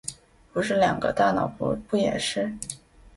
不是两个？大脑不也是？